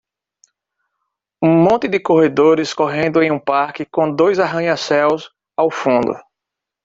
Um monte de corredores correndo em um parque com dois arranha-céus ao fundo